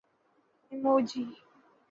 emoji